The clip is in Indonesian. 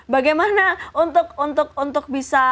bagaimana untuk bisa